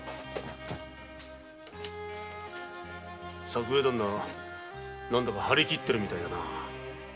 作兵衛ダンナ何だか張り切ってるみたいだな。